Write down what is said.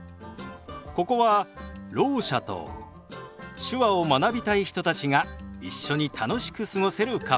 ここはろう者と手話を学びたい人たちが一緒に楽しく過ごせるカフェ。